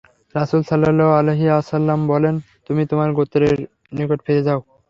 রাসূল সাল্লাল্লাহু আলাইহি ওয়াসাল্লাম বললেন, তুমি তোমার গোত্রের নিকট ফিরে যাও।